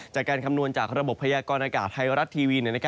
จากการคำนวณจากระบบพยากรณ์อากาศไทยรัตน์ทีวี